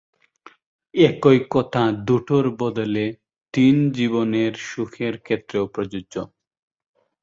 একই কথা দুটোর বদলে তিন জীবনের সুখের ক্ষেত্রেও প্রযোজ্য।